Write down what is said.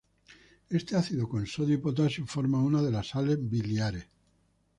Este ácido con sodio y potasio forma una de las sales biliares.